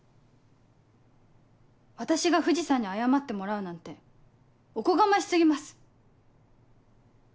私が藤さんに謝ってもらうなんておこがまし過ぎます。